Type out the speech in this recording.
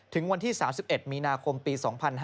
ถึงวันที่๓๑มีนาคมปี๒๕๕๙